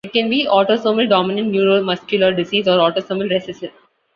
It can be autosomal dominant neuromuscular disease or autosomal recessive.